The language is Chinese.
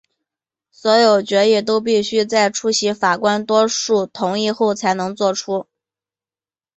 所有决议都必须在出席法官多数同意后才能做出。